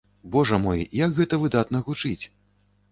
Божа мой, як гэта выдатна гучыць!